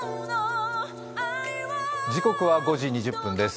時刻は５時２０分です。